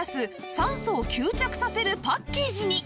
酸素を吸着させるパッケージに